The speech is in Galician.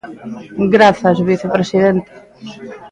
Grazas, vicepresidente.